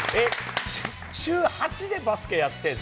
週８でバスケやってんの？